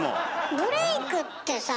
ブレイクってさあ。